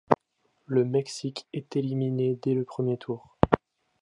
Le Mexique est éliminé dès le premier tour.